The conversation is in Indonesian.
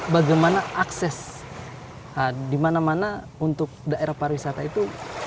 bagaimana akses di mana mana untuk daerah pariwisata itu